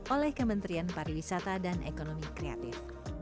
oleh kementerian pariwisata dan ekonomi kreatif